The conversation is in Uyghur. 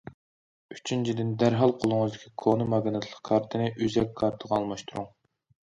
ئۈچىنچىدىن، دەرھال قولىڭىزدىكى كونا ماگنىتلىق كارتىنى ئۆزەك كارتىغا ئالماشتۇرۇڭ.